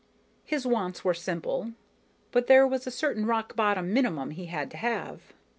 His wants were simple, but there was a certain rock bottom minimum he had to have.